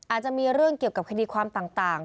อาจจะมีเรื่องเกี่ยวกับคดีความต่าง